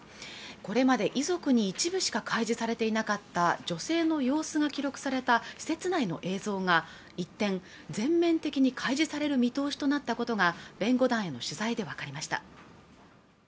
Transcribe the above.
これまで遺族に一部しか開示されていなかった女性の様子が記録された施設内の映像が一転全面的に解除される見通しとなったことが弁護団への取材で分かりました